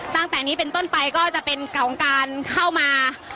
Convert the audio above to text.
ตั้งแต่นี้เป็นต้นไปก็จะเป็นเก่าของการเข้ามา